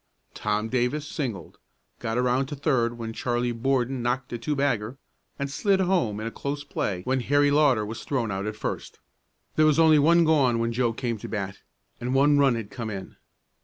Tom Davis singled, got around to third when Charlie Borden knocked a two bagger, and slid home in a close play when Harry Lauter was thrown out at first. There was only one gone when Joe came to bat, and one run had come in.